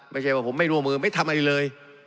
ไม่ใช่ว่าผมไม่ร่วมมือไม่ทำอะไรเลย